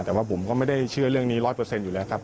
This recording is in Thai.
แต่ว่าผมก็ไม่ได้เชื่อเรื่องนี้ร้อยเปอร์เซ็นต์อยู่แล้วครับ